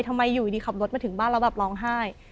ทำไมอยู่ดีขับรถมาถึงบ้านแล้วแบบร้องไห้